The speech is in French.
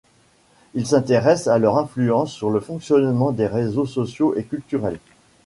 Il s’intéresse à leur influence sur le fonctionnement des réseaux sociaux et culturels.